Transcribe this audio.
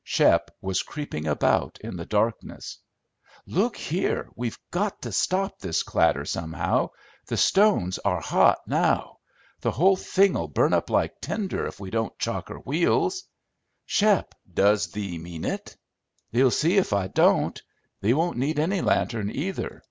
Shep was creeping about in the darkness. "Look here! We've got to stop this clatter somehow. The stones are hot now. The whole thing'll burn up like tinder if we can't chock her wheels." "Shep! Does thee mean it?" "Thee'll see if I don't. Thee won't need any lantern either."